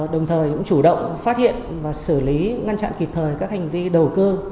đồng thời cũng chủ động phát hiện và xử lý ngăn chặn kịp thời các hành vi đầu cơ